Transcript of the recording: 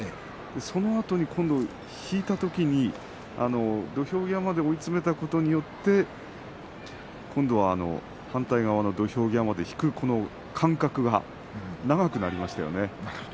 そのあとに引いたときに土俵際へ追い詰めたことによって今度は反対側の土俵際まで引く間隔が長くなりましたね。